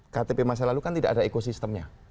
ktp masa lalu kan tidak ada ekosistemnya